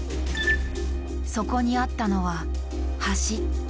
そこにあったのは「橋」。